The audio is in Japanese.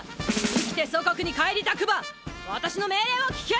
生きて祖国に帰りたくば私の命令を聞け！